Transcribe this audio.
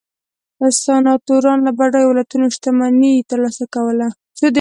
سناتورانو له بډایو ولایتونو شتمني ترلاسه کوله